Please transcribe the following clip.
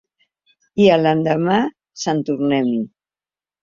I a l’endemà, sant tornem-hi.